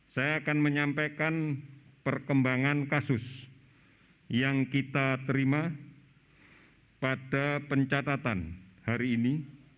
saya akan menyampaikan perkembangan kasus yang kita terima pada pencatatan hari ini